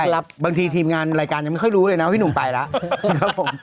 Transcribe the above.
บางทีทีมงานรายการยังไม่ค่อยรู้เลยนะว่าพี่หนุ่มไปแล้วครับผม